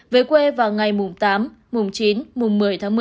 về quê vào ngày tám chín một mươi tháng một mươi